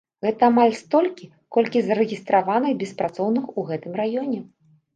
Гэта амаль столькі, колькі зарэгістраваных беспрацоўных у гэтым раёне.